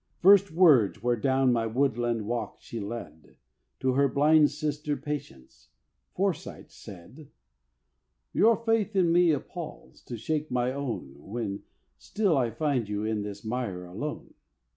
First words, where down my woodland walk she led, To her blind sister Patience, Foresight said: Your faith in me appals, to shake my own, When still I find you in this mire alone.